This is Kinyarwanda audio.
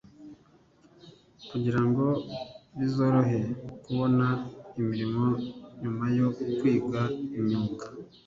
kugirango bizorohe kubona imirimo nyuma yo kwiga imyuga.